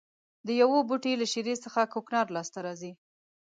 د یوه بوټي له شېرې څخه کوکنار لاس ته راځي.